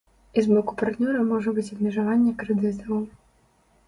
І з боку партнёра можа быць абмежаванне крэдытаў.